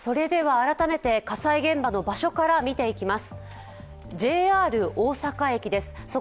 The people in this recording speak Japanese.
改めて火災現場の場所から見ていきます。